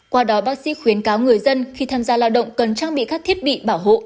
qua đó bác sĩ khuyến cáo người dân khi tham gia lao động cần trang bị các thiết bị bảo hộ